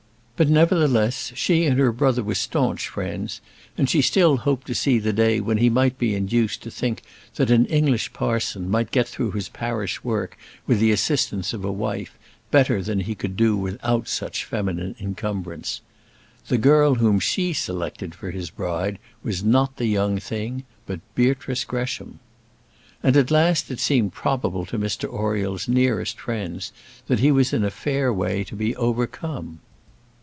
But, nevertheless, she and her brother were staunch friends; and she still hoped to see the day when he might be induced to think that an English parson might get through his parish work with the assistance of a wife better than he could do without such feminine encumbrance. The girl whom she selected for his bride was not the young thing, but Beatrice Gresham. And at last it seemed probable to Mr Oriel's nearest friends that he was in a fair way to be overcome.